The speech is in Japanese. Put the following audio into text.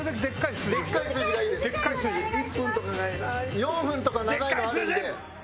４分とか長いのあるんで。